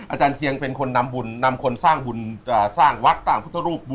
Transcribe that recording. อาจารย์เชียงเป็นคนนำบุญนำคนสร้างบุญสร้างวัดสร้างพุทธรูป